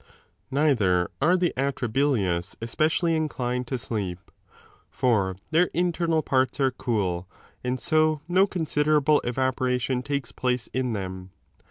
Neither are the atrabilious especially inclined to sleep. For their internal parts are cool and 80 no considerable evaporation takes place in them.